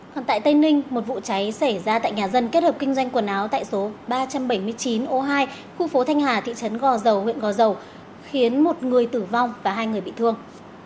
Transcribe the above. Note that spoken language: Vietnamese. còn tại tây ninh một vụ cháy xảy ra tại nhà dân kết hợp kinh doanh quần áo tại số ba trăm bảy mươi chín ô hai khu phố thanh hà thị trấn gò dầu huyện gò dầu khiến một người tử vong và hai người bị thương